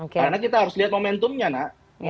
karena kita harus lihat momentumnya nak